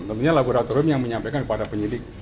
namanya laboratorium yang menyampaikan kepada penyelidik